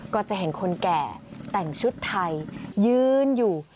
ก็จะเห็นคนแก่แต่งชุดไทยยืนอยู่